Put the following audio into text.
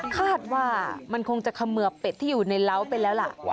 คาดว่ามันคงจะเขมือบเป็ดที่อยู่ในเล้าไปแล้วล่ะ